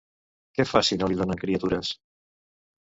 Què fa si no li donen criatures?